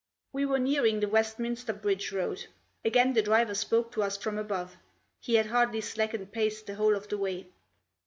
We were nearing the Westminster Bridge Road. Again the driver spoke to us from above; he had hardly slackened pace the whole of the way.